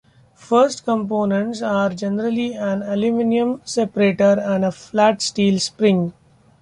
The first components are generally an aluminum separator and a flat steel spring.